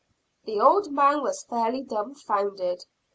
The old man was fairly dumfounded.